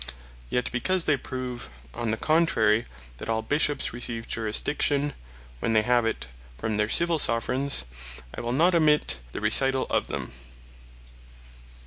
Yet because they prove, on the contrary, that all Bishops receive Jurisdiction when they have it from their Civill Soveraigns, I will not omit the recitall of them.